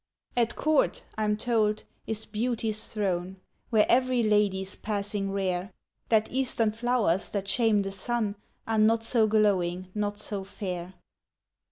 "At court, I'm told, is beauty's throne, Where every lady's passing rare, That Eastern flowers, that shame the sun, Are not so glowing, not so fair.